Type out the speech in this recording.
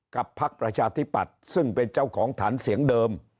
พักประชาธิปัตย์ซึ่งเป็นเจ้าของฐานเสียงเดิม